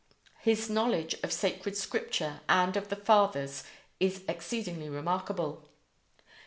His knowledge of Sacred Scripture and of the Fathers is exceedingly remarkable.